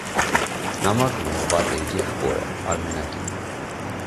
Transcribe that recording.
Նամակն ուղղված էր իր եղբորը՝ Արմենակին: